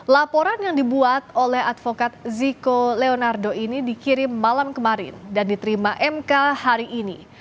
laporan yang dibuat oleh advokat ziko leonardo ini dikirim malam kemarin dan diterima mk hari ini